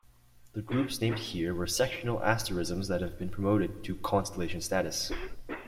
The groups named here were 'sectional asterisms' that have been promoted to constellation status.